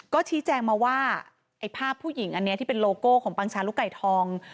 ก็ชี้แจงมาว่าไอ้ภาพผู้หญิงอันนี้ที่เป็นโลโก้ของปังชาลูกไก่ทอง